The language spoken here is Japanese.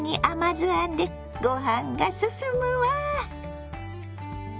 甘酢あんでご飯が進むわ。